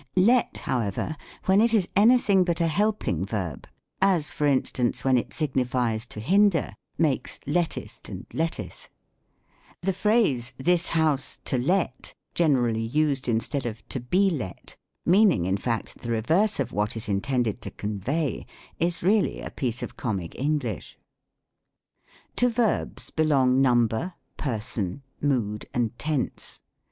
Let, however, when it is anything but a helping verb, as, for instance, when it signifies to hinder, makes let test and letteth. The phrase, " This House to Let," generally used instead of " to be let," meaning in fact, the reverse of what is intended to convey, is really a piece of comic English. To verbs belong Number, Person, Mood, and Tense.